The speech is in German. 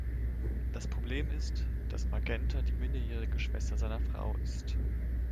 Das Problem ist, das Magenta die minderjährige Schwester seiner Frau ist.